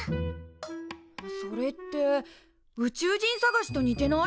それって宇宙人探しと似てない？